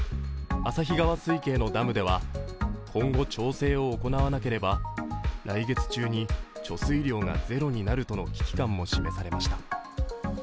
旭川水系のダムでは今後調整を行わなければ来月中に貯水量がゼロになるとの危機感も示されました。